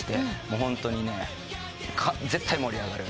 ホントに絶対盛り上がる。